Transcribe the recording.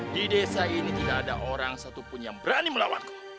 di desa ini tidak ada orang satupun yang berani melawanku